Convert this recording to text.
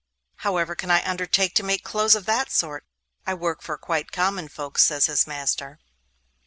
'However can I undertake to make clothes of that sort? I work for quite common folks,' says his master.